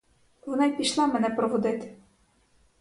Вона й пішла мене проводити.